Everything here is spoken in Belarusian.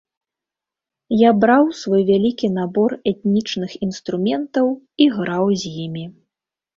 Я браў свой вялікі набор этнічных інструментаў і граў з імі.